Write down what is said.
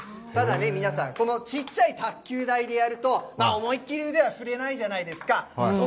ただね、皆さん、このちっちゃい卓球台でやると、思いっ切り腕は振れないじゃないですか。